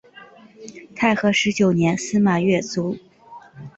太和十九年司马跃卒。